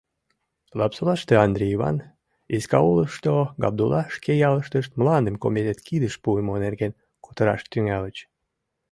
Лапсолаште Андри Иван, Искаулышто Габдулла шке ялыштышт мландым комитет кидыш пуымо нерген кутыраш тӱҥальыч.